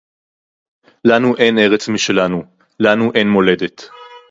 לָנוּ אֵין אֶרֶץ מִשֶּׁלָּנוּ, לָנוּ אֵין מוֹלֶדֶת.